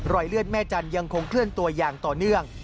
เลือดแม่จันทร์ยังคงเคลื่อนตัวอย่างต่อเนื่อง